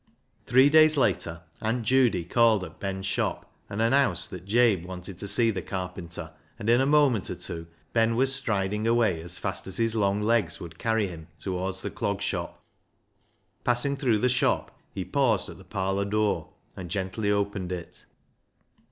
Three days later Aunt Judy called at Ben's shop, and announced that Jabe wanted to see the carpenter, and in a moment or two Ben was striding away as fast as his long legs would carry him towards the Clog Shop. Passing through the shop, he paused at the parlour door, and gently opened it.